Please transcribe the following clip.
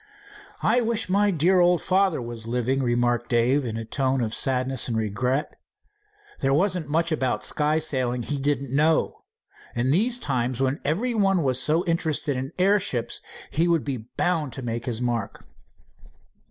"I wish my dear old father was living," remarked Dave in a tone of sadness and regret. "There wasn't much about sky sailing he didn't know. In these times, when everybody is so interested in airships, he would be bound to make his mark."